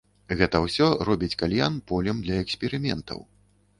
Гэта ўсё робіць кальян полем для эксперыментаў.